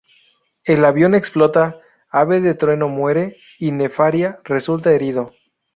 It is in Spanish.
El avión explota, Ave de Trueno muere y Nefaria resulta herido.